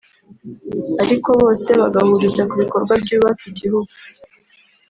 ariko bose bagahuriza ku bikorwa byubaka igihugu